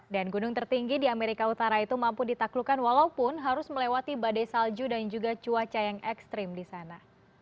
dan gunung tertinggi di amerika utara itu mampu ditaklukkan walaupun harus melewati badai salju dan juga cuaca yang ekstrim di sana